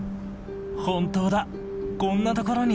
本当だこんなところに。